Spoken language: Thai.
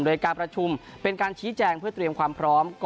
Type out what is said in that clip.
โดยการประชุมเป็นการชี้แจงเพื่อเตรียมความพร้อม